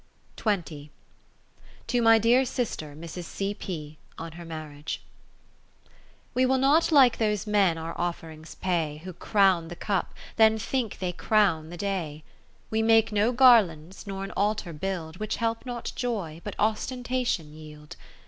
To my dear Sister Mrs. C. P. on her Marriagre We will not like those men our offerings pay Who crown the cup, then think they crown the day. We make no garlands, nor an altar build. Which help not Joy, but Ostentation yield.